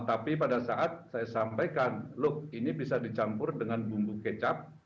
tapi pada saat saya sampaikan look ini bisa dicampur dengan bumbu kecap